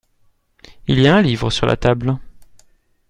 Il y a un livre sur la table.